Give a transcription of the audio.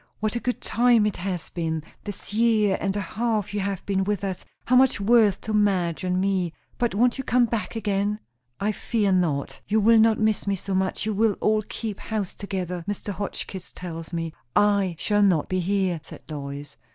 "What a good time it has been, this year and a half you have been with us! how much worth to Madge and me! But won't you come back again?" "I fear not. You will not miss me so much; you will all keep house together, Mr. Hotchkiss tells me." "I shall not be here," said Lois.